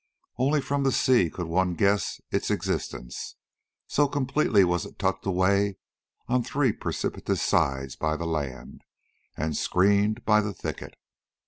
Only from the sea could one guess its existence, so completely was it tucked away on three precipitous sides by the land, and screened by the thicket.